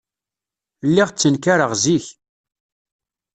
Lliɣ ttenkareɣ zik.